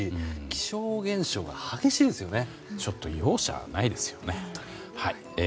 気象現象が激しいんですよね。